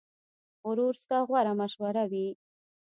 ورور ستا غوره مشوره وي.